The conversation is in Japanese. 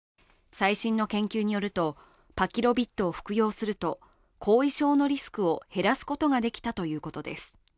最新の研究によると、パキロビッドを服用すると後遺症のリスクを減らすことができたということです。